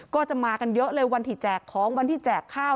ก็จะมากันเยอะเลยวันที่แจกของวันที่แจกข้าว